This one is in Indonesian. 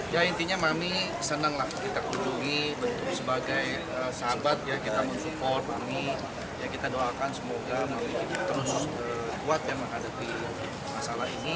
ya intinya mami senang lah kita kunjungi bentuk sebagai sahabat ya kita mensupport mami ya kita doakan semoga mami kita terus kuat ya menghadapi masalah ini